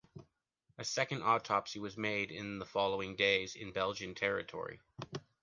A second autopsy was made in the following days, in Belgian territory.